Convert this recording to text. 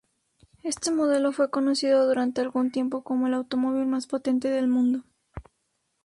Este modelo fue conocido durante algún tiempo como el automóvil más potente del mundo.